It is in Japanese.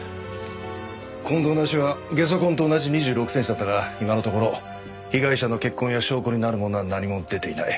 近藤の足はゲソ痕と同じ２６センチだったが今のところ被害者の血痕や証拠になるものは何も出ていない。